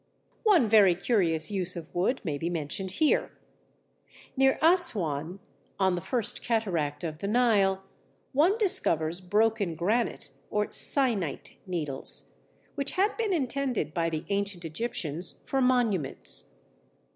One very curious use of wood may be mentioned here. Near Assouan, on the First Cataract of the Nile, one discovers broken granite or syenite needles, which had been intended by the ancient Egyptians for monuments.